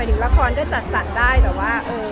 เออทุ่มหัวบุญเนยเลยดีไหม